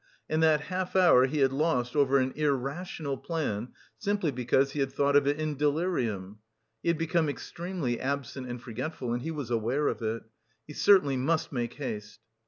And that half hour he had lost over an irrational plan, simply because he had thought of it in delirium! He had become extremely absent and forgetful and he was aware of it. He certainly must make haste.